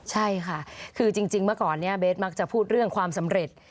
ใช่ค่ะคือจริงเมื่อก่อนนี้เบสมักจะพูดเรื่องความสำเร็จ